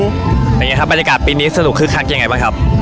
อย่างนี้ครับบรรยากาศปีนี้สนุกคึกคักยังไงบ้างครับ